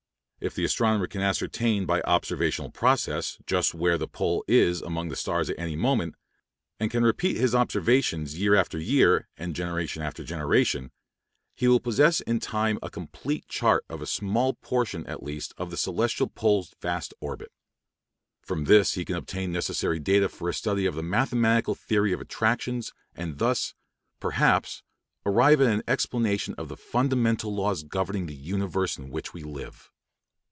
If the astronomer can ascertain by observational processes just where the pole is among the stars at any moment, and can repeat his observations year after year and generation after generation, he will possess in time a complete chart of a small portion at least of the celestial pole's vast orbit. From this he can obtain necessary data for a study of the mathematical theory of attractions, and thus, perhaps, arrive at an explanation of the fundamental laws governing the universe in which we live.